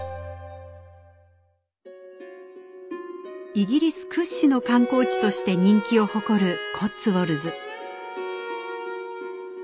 イギリス屈指の観光地として人気を誇るコッツウォルズ。